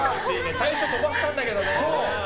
最初飛ばしたんだけどね。